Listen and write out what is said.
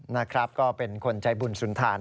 นะครับก็เป็นคนใจบุญสุนทาน